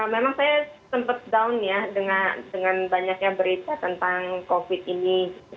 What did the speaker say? memang saya sempat down ya dengan banyaknya berita tentang covid ini